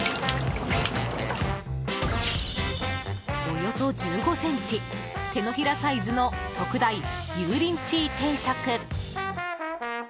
およそ１５ｃｍ手のひらサイズの特大油淋鶏定食。